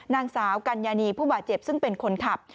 นางสาวกัญญานีผู้บาดเจ็บซึ่งเป็นคนขับ